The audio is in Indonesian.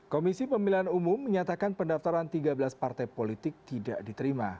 komisi pemilihan umum menyatakan pendaftaran tiga belas partai politik tidak diterima